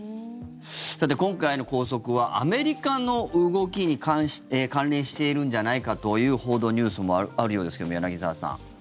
さて、今回の拘束はアメリカの動きに関連しているんじゃないかという報道、ニュースもあるようですが柳澤さん。